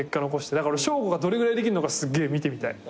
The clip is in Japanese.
だから俺彰悟がどれぐらいできんのかすっげえ見てみたい。